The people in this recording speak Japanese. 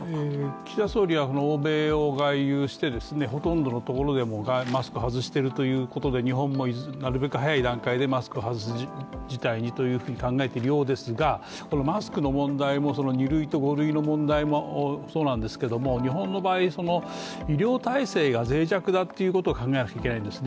岸田総理は欧米を外遊して、ほとんどのところでもマスクを外しているということで日本もなるべく早い時点でマスクを外すことも考えているんですけれどもマスクの問題も２類と５類の問題もそうなんですけども日本の場合、医療体制がぜい弱だということを考えなくちゃいけないんですね。